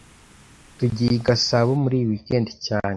Tugiye i Gasabo muri iyi weekend cyane